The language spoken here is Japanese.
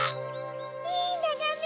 いいながめ！